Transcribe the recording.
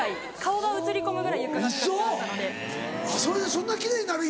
そんな奇麗になる？